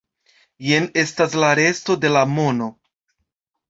Jen estas la resto de la mono.